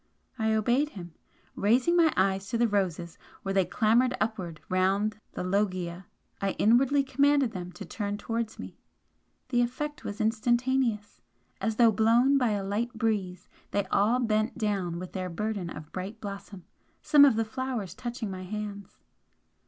I obeyed him. Raising my eyes to the roses where they clambered upwards round the loggia, I inwardly commanded them to turn towards me. The effect was instantaneous. As though blown by a light breeze they all bent down with their burden of bright blossom some of the flowers touching my hands.